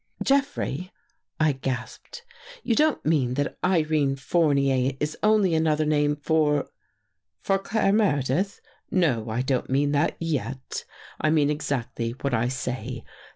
" Jeffrey," I gasped, " you don't mean that Irene Fournier is only another name for ...?"" For Claire Meredith? No, I don't mean that yet. I mean exactly what I say.